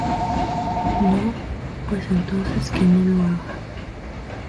No; pues entonces que no lo haga.